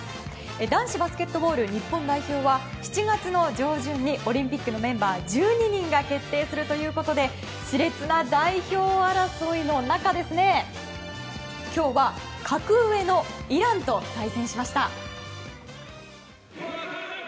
男子バスケットボール日本代表は７月の上旬にオリンピックのメンバー１２人が決定するということで熾烈な代表争いの中今日は格上のイランと対戦しました。